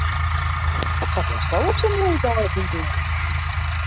Wat dochsto op sa'n moaie dei op dyn keamer?